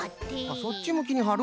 あっそっちむきにはる。